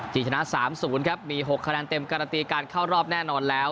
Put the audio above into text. ชนะ๓๐ครับมี๖คะแนนเต็มการันตีการเข้ารอบแน่นอนแล้ว